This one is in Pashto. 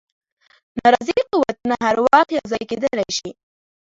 ناراضي قوتونه هر وخت یو ځای کېدلای شي.